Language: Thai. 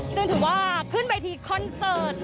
ซึ่งถือว่าขึ้นเวทีคอนเสิร์ต